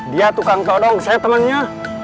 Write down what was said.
dia tukang todong saya temennya